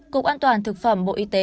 cục an toàn thực phẩm bộ y tế